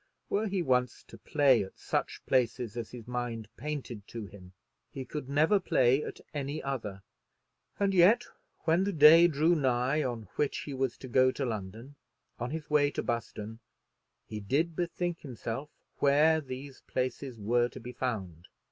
Were he once to play at such places as his mind painted to him he could never play at any other; and yet when the day drew nigh on which he was to go to London, on his way to Buston, he did bethink himself where these places were to be found.